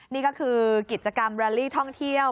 นี่ก็คือกิจกรรมแรลลี่ท่องเที่ยว